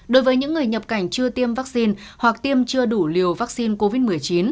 đối với những người nhập cảnh chưa tiêm vaccine hoặc tiêm chưa đủ liều vaccine covid một mươi chín